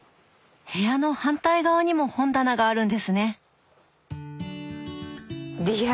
部屋の反対側にも本棚があるんですね！